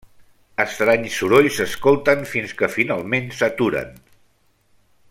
Estranys sorolls s'escolten, fins que finalment s'aturen.